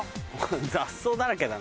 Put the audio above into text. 雑草だらけだな。